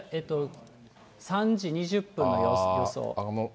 ３時２０分の予想。